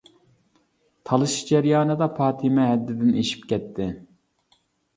تالىشىش جەريانىدا پاتىمە ھەددىدىن ئېشىپ كەتتى.